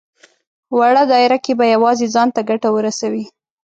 وړه دايره کې به يوازې ځان ته ګټه ورسوي.